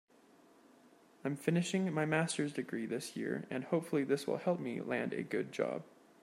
I'm finishing my masters degree this year and hopefully this will help me land a good job.